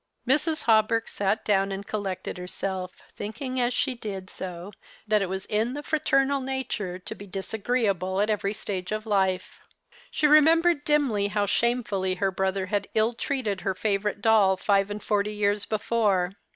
F 82 The Christmas Hirelings. Mrs. Hawberk sat down and collected herself, thinking, as she did so, that it was in the fraternal nature to be disagreeable at every stage of life. She remembered dimly how shamefully her brother had ill treated her favourite doll five and forty years before.